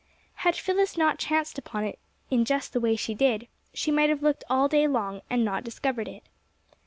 Had Phyllis not chanced upon it in just the way she did she might have looked all day long and not discovered it.